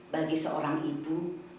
bagi seorang ibu